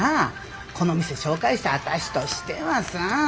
この店紹介した私としてはさ。